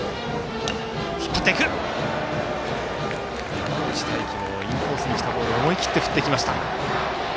山内太暉もインコースのボールを思い切って振りました。